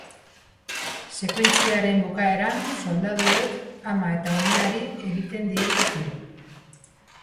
Sekuentziaren bukaeran, soldaduek ama eta umeari egiten diete tiro.